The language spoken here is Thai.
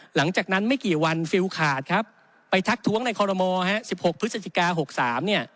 หลังจากนั้นไม่กี่วันฟิลขาดครับไปทักท้วงในคอรมอลฮะ๑๖พฤศจิกา๖๓เนี่ย